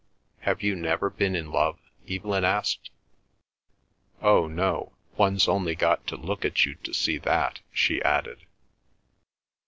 "Have you never been in love?" Evelyn asked. "Oh no—one's only got to look at you to see that," she added.